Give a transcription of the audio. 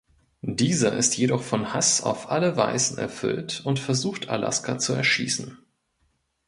Dieser ist jedoch von Hass auf alle Weißen erfüllt und versucht "Alaska" zu erschießen.